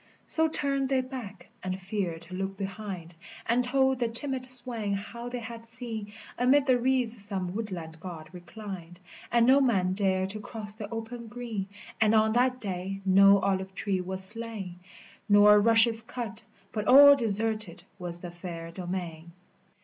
Mm turner! they back, and feared to look behind, Ami told the timid swain how they had seen AmM ilie reeds some woodland God reclined, A ml tin man dared to cross the open green, \ Mil mm tlmt Hay no olive tree was slain, Hh| tMftlie* tut, but all deserted was the fair domain.